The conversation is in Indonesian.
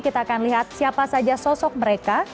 kita akan lihat siapa saja sosok mereka